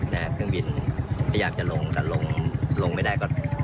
เครื่องบินพยายามจะลงแต่ลงลงไม่ได้ก็